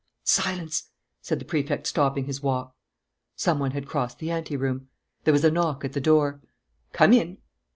"Silence!" said the Prefect, stopping his walk. Some one had crossed the anteroom. There was a knock at the door. "Come in!"